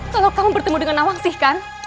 kalau kamu bertemu dengan nawang sihkan